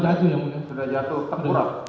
sudah jatuh ya mulia